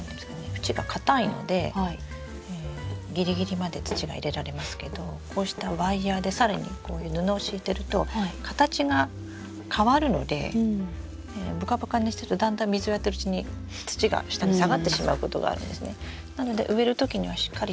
縁が硬いのでギリギリまで土が入れられますけどこうしたワイヤーで更にこういう布を敷いてると形が変わるのでぶかぶかにしてるとだんだん水をやってるうちに土が下にさがってしまうことがあるんですね。